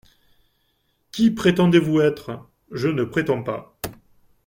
—Qui prétendez-vous être ? —Je ne prétends pas.